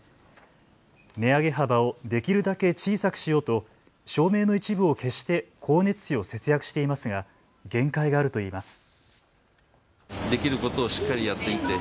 値上げ幅をできるだけ小さくしようと照明の一部を消して光熱費を節約していますが限界があるといいます。